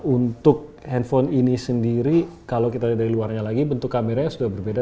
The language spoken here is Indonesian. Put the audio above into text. untuk handphone ini sendiri kalau kita lihat dari luarnya lagi bentuk kameranya sudah berbeda